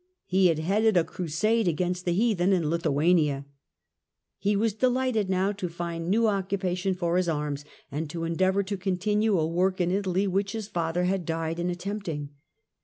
He had headed a Crusade against the heathen in Lithuania. He was delighted now to find new occupation for his arms, and to endeavour to continue a work in Italy which his father had died in attempting.